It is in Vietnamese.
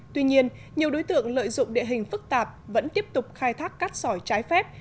tuy nhiên nhiều đối tượng lợi dụng địa hình phức tạp vẫn tiếp tục khai thác cát sỏi trái phép